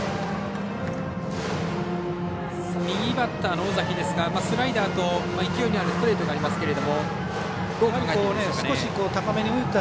右バッターの尾崎ですがスライダーと勢いのあるストレートがありますけど。